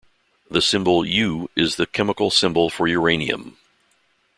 The symbol 'U' is the chemical symbol for uranium.